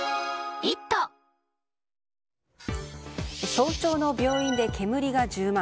早朝の病院で煙が充満。